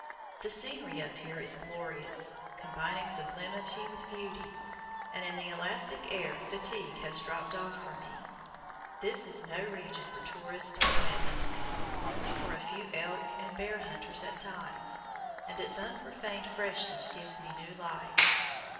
The scenery up here is glorious, combining sublimity with beauty, and in the elastic air fatigue has dropped off from me. This is no region for tourists and women, only for a few elk and bear hunters at times, and its unprofaned freshness gives me new life.